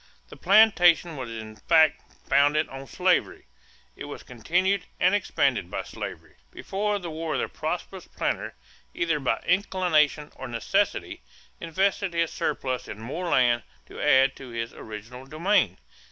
The plantation was in fact founded on slavery. It was continued and expanded by slavery. Before the war the prosperous planter, either by inclination or necessity, invested his surplus in more land to add to his original domain.